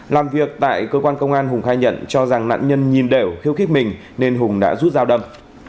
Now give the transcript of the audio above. làm việc tại cơ quan công an hùng khai nhận cho rằng nạn nhân nhìn đều khiêu khích mình nên hùng đã rút dao đâm